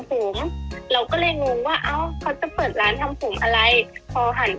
เกา็งแรงนะคะ